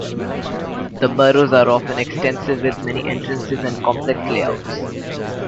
The burrows are often extensive with many entrances and complex layouts.